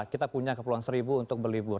kita punya kepulauan seribu untuk berlibur